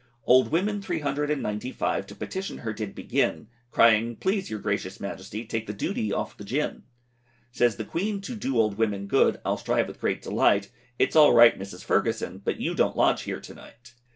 Old women three hundred and ninety five, To petition her did begin, Crying, Please your gracious Majesty, Take the duty off the gin. Says the Queen to do old women good, I'll strive with great delight, Its all right Mrs Ferguson, But, you don't lodge here to night.